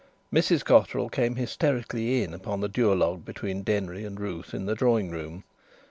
Mrs Cotterill came hysterically in upon the duologue between Denry and Ruth in the drawing room.